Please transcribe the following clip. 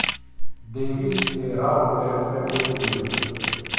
Davis, e Raoul F. Whitfield.